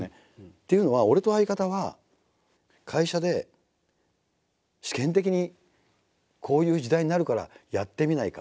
というのは俺と相方は会社で試験的に「こういう時代になるからやってみないか」